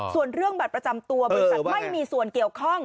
ส่วนเรื่องบัตรประจำตัวบริษัทไม่มีส่วนเกี่ยวข้อง